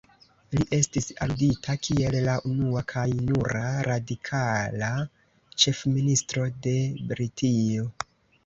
Li estis aludita kiel "la unua kaj nura radikala Ĉefministro de Britio".